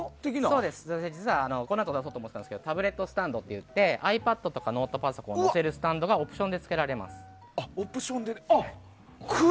実はこのあと出そうと思ってたんですがタブレットスタンドといってｉＰａｄとかノートパソコンを載せるスタンドがオプションで付けられます。